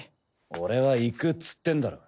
俺は行くっつってんだろ。